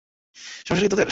সমস্যাটা কী তোদের?